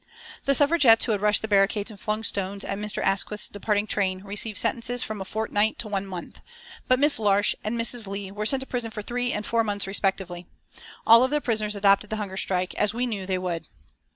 The Suffragettes who had rushed the barricades and flung stones at Mr. Asquith's departing train received sentences from a fortnight to one month, but Miss Marsh and Mrs. Leigh were sent to prison for three and four months respectively. All of the prisoners adopted the hunger strike, as we knew they would.